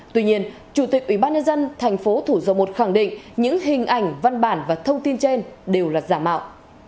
tuy nhiên chủ tịch ubnd tp thủ dầu một khẳng định những hình ảnh văn bản và thông tin trên đều là giả mạo